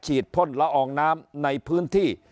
พ่นละอองน้ำในพื้นที่